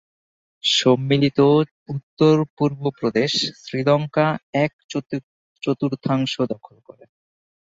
সম্মিলিত উত্তর-পূর্ব প্রদেশ শ্রীলঙ্কার এক চতুর্থাংশ দখল করে।